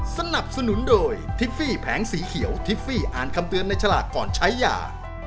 สนับสนุนโดยทิฟฟี่แผงสีเขียวทิฟฟี่อ่านคำเตือนในฉลากก่อนใช้ยา